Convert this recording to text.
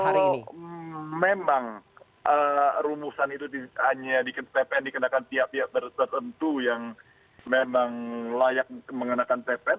jadi kalau memang rumusan itu hanya di ppn dikenakan pihak pihak tertentu yang memang layak mengenakan ppn